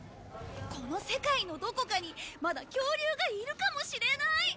この世界のどこかにまだ恐竜がいるかもしれない！